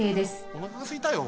おなかがすいたよ。